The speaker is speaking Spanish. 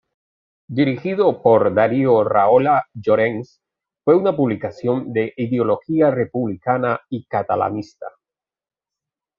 Dirigido por Darío Rahola Llorens, fue una publicación de ideología republicana y catalanista.